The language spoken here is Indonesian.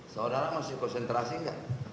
saudara masih konsentrasi enggak